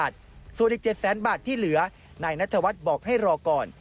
ที่เหลือนายนัทธวัฒน์บอกให้รอก่อน